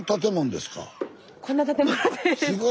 こんな建物ですか。